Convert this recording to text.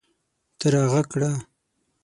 ته راږغ کړه